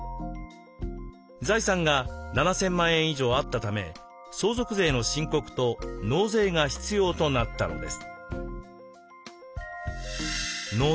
財産が７，０００万円以上あったため相続税の申告と納税が必要となったのです。